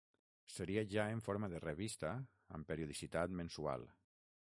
Seria ja en forma de revista, amb periodicitat mensual.